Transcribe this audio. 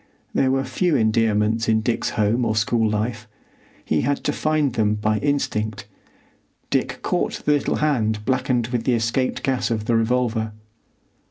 There were few endearments in Dick's home or school life; he had to find them by instinct. Dick caught the little hand blackened with the escaped gas of the revolver.